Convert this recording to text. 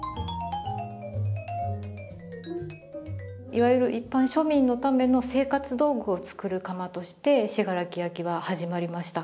いわゆる一般庶民のための生活道具を作る窯として信楽焼は始まりました。